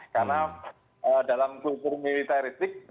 karena dalam kultur militaristik